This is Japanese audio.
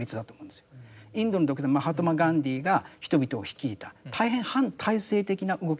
インドの独立マハトマ・ガンディーが人々を率いた大変反体制的な動きだった。